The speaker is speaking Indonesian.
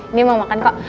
ini mau makan kok